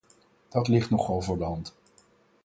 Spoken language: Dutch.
Dat ligt nogal voor de hand.